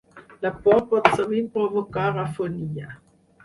La por pot sovint provocar afonia.